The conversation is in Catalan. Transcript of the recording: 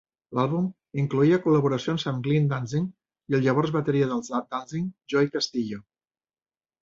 L'àlbum incloïa col·laboracions amb Gleen Danzig i el llavors bateria dels Danzig Joey Castillo.